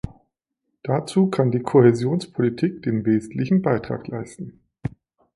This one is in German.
Dazu kann die Kohäsionspolitik den wesentlichen Beitrag leisten.